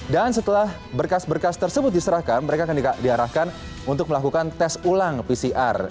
dan setelah berkas berkas tersebut diserahkan mereka akan diarahkan untuk melakukan tes ulang pcr